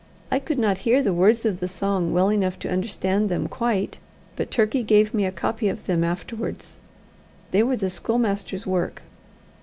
I could not hear the words of the song well enough to understand them quite; but Turkey gave me a copy of them afterwards. They were the schoolmaster's work.